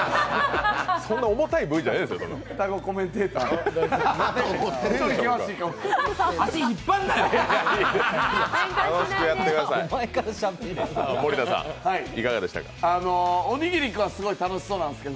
そんな重たいＶじゃないですよ。